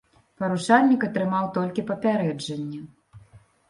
Парушальнік атрымаў толькі папярэджанне.